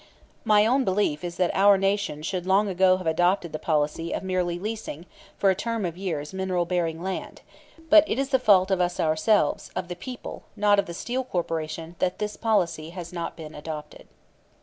[*] My own belief is that our Nation should long ago have adopted the policy of merely leasing for a term of years mineral bearing land; but it is the fault of us ourselves, of the people, not of the Steel Corporation, that this policy has not been adopted.